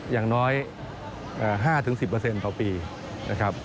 อย่างน้อย๕๑๐ต่อปีนะครับ